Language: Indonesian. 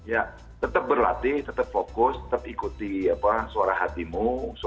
ya tetap berlatih tetap fokus tetap ikuti suara hatimu